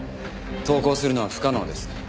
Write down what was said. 投稿するのは不可能です。